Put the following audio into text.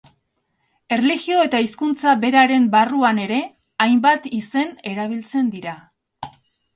Erlijio eta hizkuntza beraren barruan ere, hainbat izen erabiltzen dira.